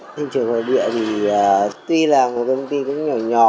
thành trường ngoại địa thì tuy là một công ty cũng nhỏ nhỏ